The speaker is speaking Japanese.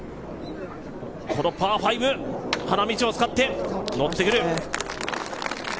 このパー５、花道を使って、乗ってくる。